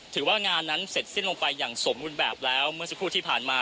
ถือว่างานนั้นเสร็จสิ้นลงไปอย่างสมบูรณ์แบบแล้วเมื่อสักครู่ที่ผ่านมา